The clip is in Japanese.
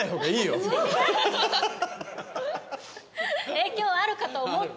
影響あるかと思って。